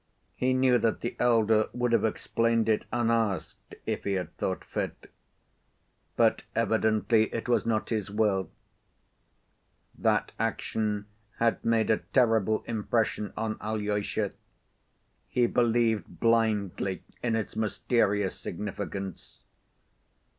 He knew that the elder would have explained it unasked if he had thought fit. But evidently it was not his will. That action had made a terrible impression on Alyosha; he believed blindly in its mysterious significance.